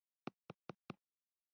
دوی به هغه بې ګناه خلک ژوندي پرېنږدي